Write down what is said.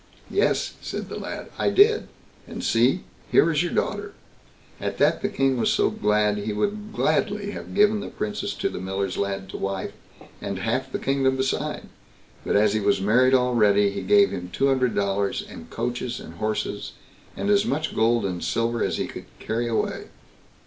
"Yes", said the lad, "I did; and see, here is your daughter." At that the King was so glad, he would gladly have given the Princess to the miller's lad to wife, and half the kingdom beside; but as he was married already, he gave him two hundred dollars, and coaches and horses, and as much gold and silver as he could carry away.